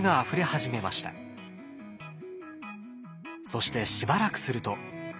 そしてしばらくすると。